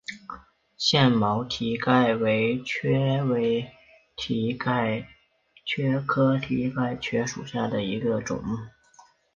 腺毛蹄盖蕨为蹄盖蕨科蹄盖蕨属下的一个种。